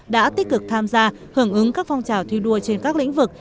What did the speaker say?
đã tích cực tham gia hưởng ứng các phong trào thi đua trên các lĩnh vực